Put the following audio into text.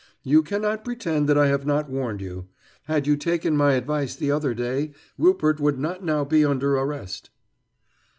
You cannot pretend that I have not warned you. Had you taken my advice the other day, Rupert would not now be under arrest."